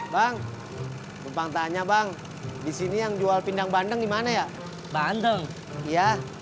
bang bumpang tanya bang disini yang jual pindang bandeng di mana ya bandung iya